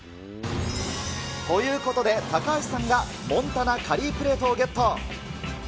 ということで、高橋さんがモンタナカリープレートをゲット。